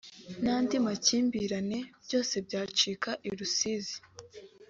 n’andi makimbirane byose byacika i Rusizi